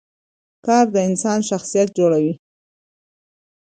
کار د انسان شخصیت جوړوي